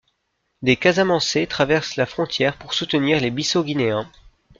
Des Casamançais traversent la frontière pour soutenir les Bissau-guinéens.